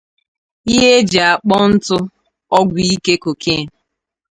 ihe e ji akpọ ntụ ọgwụ ike cocaine